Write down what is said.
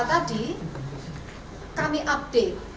tadi kami update